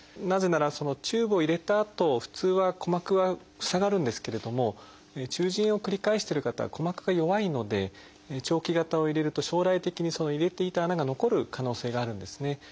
なぜならチューブを入れたあと普通は鼓膜は塞がるんですけれども中耳炎を繰り返してる方は鼓膜が弱いので長期型を入れると将来的にその入れていた穴が残る可能性があるんですね。